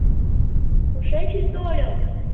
«Кушечын тольо?